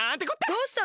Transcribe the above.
どうしたの？